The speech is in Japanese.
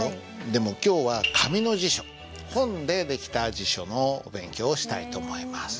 でも今日は紙の辞書本で出来た辞書のお勉強をしたいと思います。